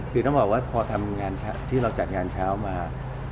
คือต้องบอกว่าพอทำงานที่เราจัดงานเช้ามา